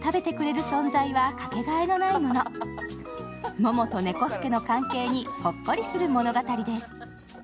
モモとネコ助の関係にほっこりする物語です。